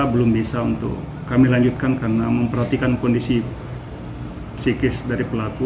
belum bisa untuk kami lanjutkan karena memperhatikan kondisi psikis dari pelaku